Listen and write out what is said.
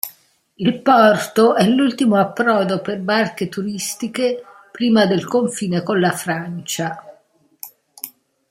Il porto è l'ultimo approdo per barche turistiche prima del confine con la Francia.